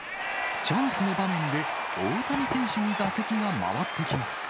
チャンスの場面で、大谷選手に打席が回ってきます。